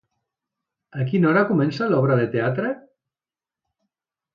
A quina hora comença l'obra de teatre?